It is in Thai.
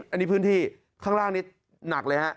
อันนี้พื้นที่ข้างล่างนี้หนักเลยฮะ